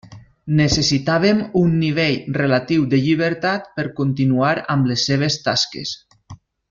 Necessitaven un nivell relatiu de llibertat per continuar amb les seves tasques.